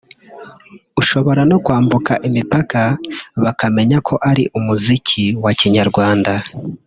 ushobora no kwambuka imipaka bakamenya ko ari umuziki wa Kinyarwanda